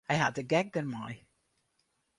Hy hat de gek dermei.